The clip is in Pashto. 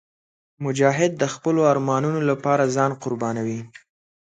مجاهد د خپلو ارمانونو لپاره ځان قربانوي.